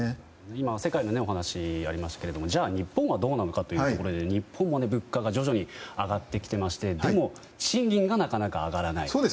今、世界のお話がありましたがじゃあ日本はどうなのかというと日本も物価が徐々に上がってきていましてでも、賃金はなかなか上がらない。